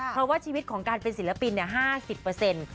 เพราะว่าชีวิตของการเป็นศิลปินเนี้ยห้าสิบเปอร์เซ็นต์